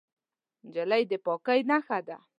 نجلۍ د پاکۍ نښه ده.